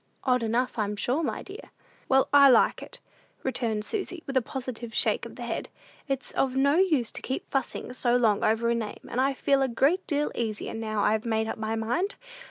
"Odd enough, I'm sure, my dear." "Well, I like it," returned Susy, with a positive shake of the head. "It's of no use to keep fussing so long over a name, and I feel a great deal easier, now I've made up my mind!